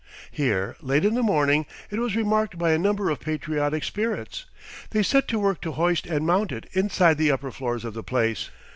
Here late in the morning it was remarked by a number of patriotic spirits. They set to work to hoist and mount it inside the upper floors of the place.